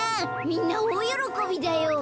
みんなおおよろこびだよ。